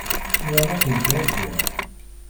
Lliɣ la ken-ttṛajuɣ.